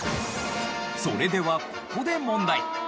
それではここで問題。